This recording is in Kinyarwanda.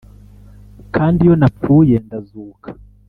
kandi iyo napfuye ndazuka